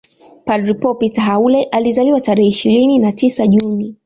Padre Paul Peter Haule alizaliwa tarehe ishirini na tisa juni